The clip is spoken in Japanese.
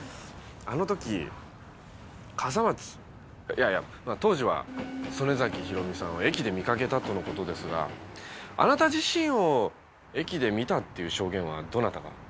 あの時笠松いやいや当時は曽根崎ひろみさんを駅で見かけたとの事ですがあなた自身を駅で見たっていう証言はどなたが？